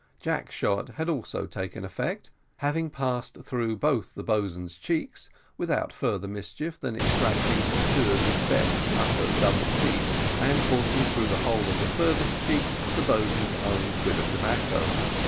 Jack's shot had also taken effect, having passed through both the boatswain's cheeks, without further mischief than extracting two of his best upper double teeth, and forcing through the hole of the farther cheek the boatswain's own quid of tobacco.